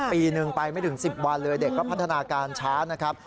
ปีหนึ่งไปไม่ถึง๑๐วันเลยเด็กก็พัฒนาการช้านะครับ